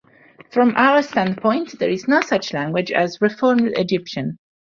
From our standpoint there is no such language as 'reformed Egyptian'.